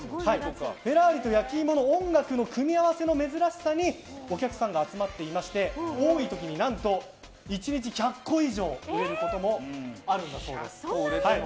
フェラーリと焼き芋の音楽の組み合わせの珍しさにお客さんが集まっていまして多い時に１日１００個以上売れることもあるんだそうです。